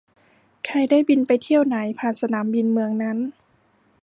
ใครได้บินไปเที่ยวไหน ผ่านสนามบินเมืองนั้น